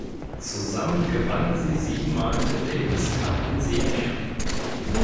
Zusammen gewannen sie sieben Mal den Davis Cup in Serie.